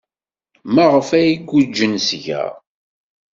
Maɣef ay guǧǧen seg-a?